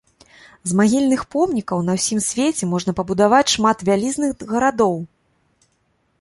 З магільных помнікаў на ўсім свеце можна пабудаваць шмат вялізных гарадоў.